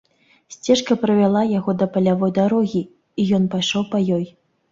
Сцежка прывяла яго да палявой дарогі, і ён пайшоў па ёй.